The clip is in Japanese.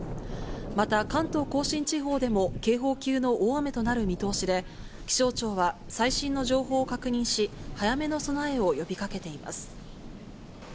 また関東甲信地方でも警報級の大雨となる見通しで、気象庁は最新の情報を確認し、早めの備えを呼びかけています。